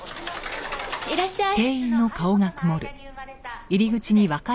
いらっしゃい。